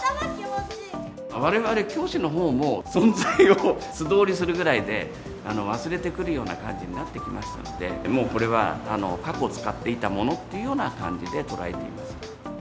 われわれ教師のほうも存在を素通りするくらいで、忘れてくるような感じになってきましたので、もう、これは過去使っていたものっていうような感じで捉えています。